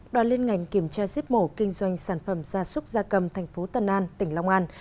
đoàn liên ngành kiểm tra giếp mổ kinh doanh sản phẩm gia súc gia cầm thành phố tân an tỉnh long an